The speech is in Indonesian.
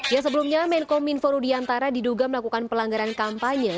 yang sebelumnya menko minforu diantara diduga melakukan pelanggaran kampanye